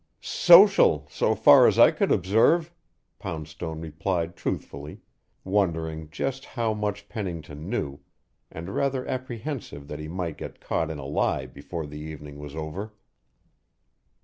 "Social so far as I could observe," Poundstone replied truthfully, wondering just how much Pennington knew, and rather apprehensive that he might get caught in a lie before the evening was over.